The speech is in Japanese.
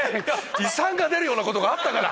胃酸が出るようなことがあったから！